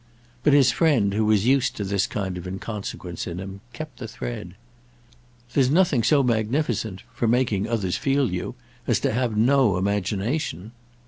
But his friend, who was used to this kind of inconsequence in him, kept the thread. "There's nothing so magnificent—for making others feel you—as to have no imagination."